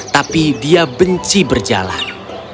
tapi dia benci berjalan